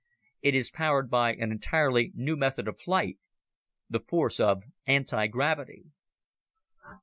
It is powered by an entirely new method of flight, the force of anti gravity."